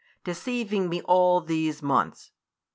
Deceiving me all these months!